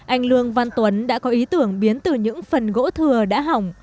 anh lương văn tuấn đã có ý tưởng biến từ những phần gỗ thừa đã hỏng